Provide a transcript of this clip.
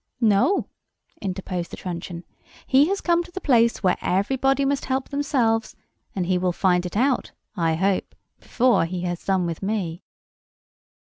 "No," interposed the truncheon; "he has come to the place where everybody must help themselves; and he will find it out, I hope, before he has done with me."